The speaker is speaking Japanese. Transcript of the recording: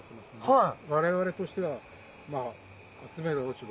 はい。